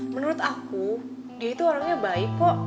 menurut aku dia itu orangnya baik kok